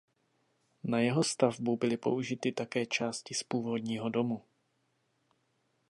Na jeho stavbu byly použity také části z původního domu.